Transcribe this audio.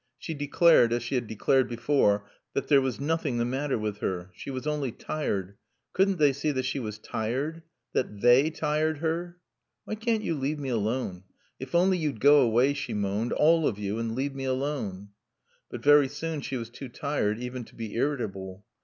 She declared, as she had declared before, that there was nothing the matter with her. She was only tired. Couldn't they see that she was tired? That they tired her? "Why can't you leave me alone? If only you'd go away," she moaned, " all of you and leave me alone." But very soon she was too tired even to be irritable.